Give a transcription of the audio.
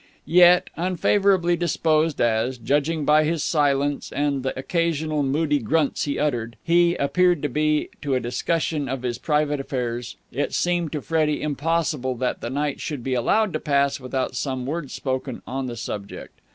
Yet, unfavourably disposed as, judging by his silence and the occasional moody grunts he uttered, he appeared to be to a discussion of his private affairs, it seemed to Freddie impossible that the night should be allowed to pass without some word spoken on the subject.